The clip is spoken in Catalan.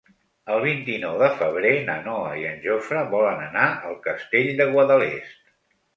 El vint-i-nou de febrer na Noa i en Jofre volen anar al Castell de Guadalest.